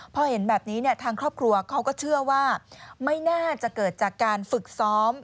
พอเห็นแบบนี้ทางครอบครัวเขาก็เชื่อว่าไม่น่าจะเกิดจากการฝึกซ้อม